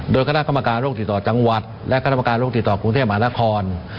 โดยคณะกรรมการโรคติดต่อจังหวัดและคณะกรรมการโรคติดต่อกรุงเทพมหานคร